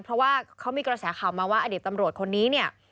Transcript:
เพราะว่าเขามีกระแสข่าวมาว่าอดีตตำรวจคนนี้เนี่ย